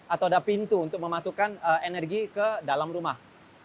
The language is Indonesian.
atau ada pintu untuk memasukkan energi ke dalam rumah